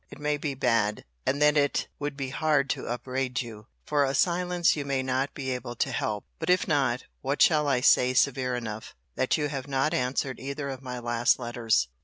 It may be bad; and then it would be hard to upbraid you, for a silence you may not be able to help. But if not, what shall I say severe enough, that you have not answered either of my last letters?